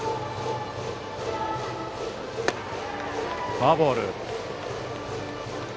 フォアボール。